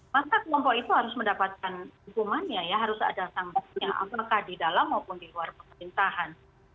maka kelompok itu harus mendapatkan hukumannya ya harus ada sanksinya apakah di dalam maupun di luar pemerintahan